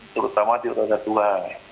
terutama di roda dua